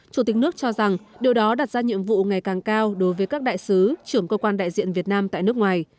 chủ tịch nước cho rằng điều đó đặt ra nhiệm vụ ngày càng cao đối với các đại sứ trưởng cơ quan đại diện việt nam tại nước ngoài